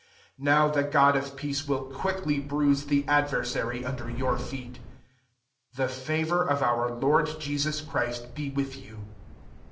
20' Now the God of peace will quickly bruise the adversary under your feet. The favour of our Lord Je sus Christ be with you.